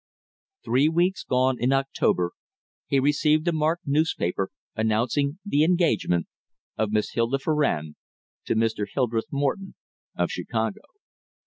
Three weeks gone in October he received a marked newspaper announcing the engagement of Miss Hilda Farrand to Mr. Hildreth Morton of Chicago.